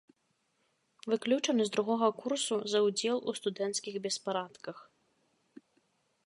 Выключаны з другога курсу за ўдзел у студэнцкіх беспарадках.